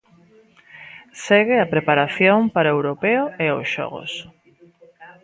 Segue a preparación para o europeo e os xogos.